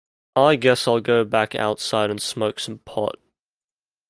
I guess I'll go back outside and smoke some pot.